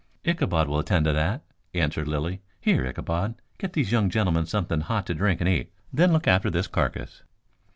"Ichabod will attend to that," answered Lilly. "Here, Ichabod. Get these young gentlemen something hot to drink and eat, then look after this carcass."